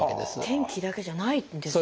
天気だけじゃないんですね。